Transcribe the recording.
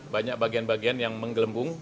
banyak bagian bagian yang menggelembung